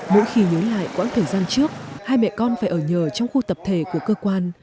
mỗi khi nhớ lại quãng thời gian trước hai mẹ con phải ở nhờ trong khu tập thể của cơ quan